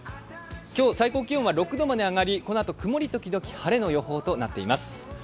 今日、最高気温は６度まで上がりこのあと、曇り時々晴れの予報となっています。